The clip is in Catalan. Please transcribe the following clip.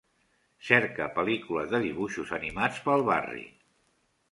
Cerca pel·lícules de dibuixos animats pel barri.